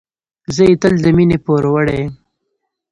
زه یې تل د مینې پوروړی یم.